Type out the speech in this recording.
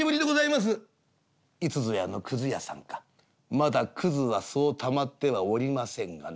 まだくずはそうたまってはおりませんがな」。